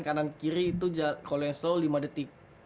kanan ke kiri itu kalau yang slow lima detik